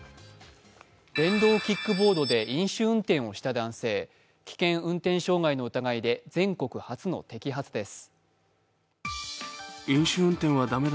電動キックボードで飲酒運転をした男性危険運転傷害の疑いで全国初の摘発です。